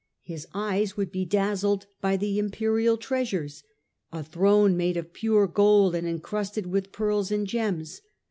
His eyes would be dazzled by the Imperial treasures, a throne made of pure gold and encrusted with pearls and gems